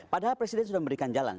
padahal presiden sudah memberikan jalan